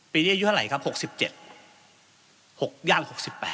ปีนี้อายุเท่าไหร่ครับ๖๗๖ย่าง๖๘